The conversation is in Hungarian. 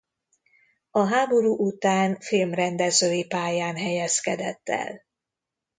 A háború után filmrendezői pályán helyezkedett el.